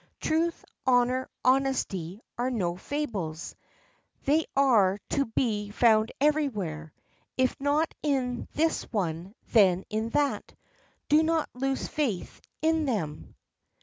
Truth, honor, honesty, are no fables; they are to be found everywhere. If not in this one, then in that. Do not lose faith in them."